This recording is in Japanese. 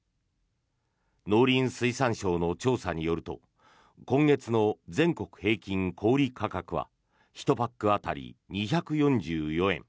農林水産省の調査によると今月の全国平均小売価格は１パック当たり２４４円。